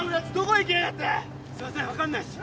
すいません分かんないっす。